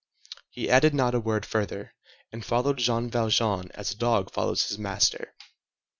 He added not a word further, and followed Jean Valjean as a dog follows his master.